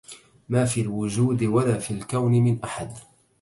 ما في الوجود ولا في الكون من أحد